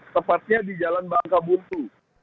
tepatnya di jalan bangka buntu